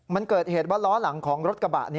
มันเกิดเหตุว่าล้อหลังของรถกระบะ